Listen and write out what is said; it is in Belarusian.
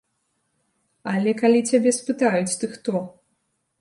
Але калі цябе спытаюць ты хто?